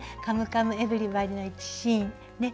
「カムカムエヴリバディ」の１シーン。